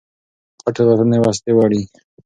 پټې الوتنې وسلې وړي.